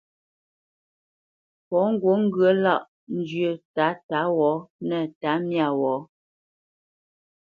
Pɔ̌ ŋgǔt ŋgyə̌ lâʼ njyə́ tǎtǎ wɔ̌ nə̂ tǎmyā wɔ̌.